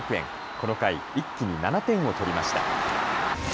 この回、一気に７点を取りました。